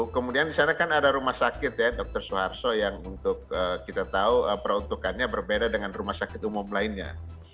kemudian di sana kan ada rumah sakit ya dr suharto yang untuk kita tahu peruntukannya berbeda dengan rumah sakit umum lainnya